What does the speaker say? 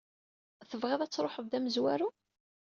Tebɣiḍ ad truḥeḍ d amezwaru?